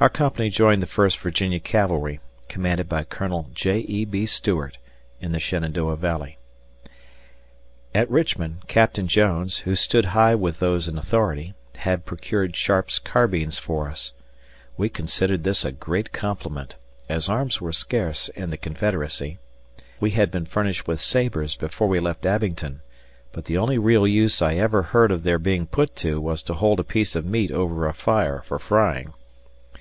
Our company joined the First Virginia Cavalry, commanded by Colonel J. E. B. Stuart, in the Shenandoah Valley. At Richmond, Captain Jones, who stood high with those in authority, had procured Sharp carbines for us. We considered this a great compliment, as arms were scarce in the Confederacy. We had been furnished with sabres before we left Abingdon, but the only real use I ever heard of their being put to was to hold a piece of meat over a fire for frying.